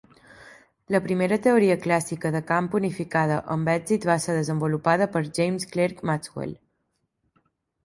La primera teoria clàssica de camp unificada amb èxit va ser desenvolupada per James Clerk Maxwell.